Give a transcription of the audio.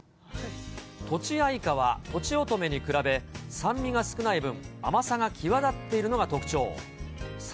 とちあいかは、とちおとめに比べ、酸味が少ない分、甘さが際立っているのが特徴。